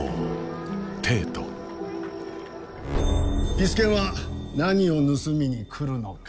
ピス健は何を盗みに来るのか。